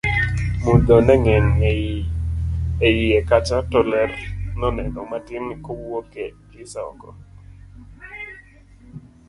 mudho neng'eny e iye kacha to ler noneno matin kawuok e drisa oko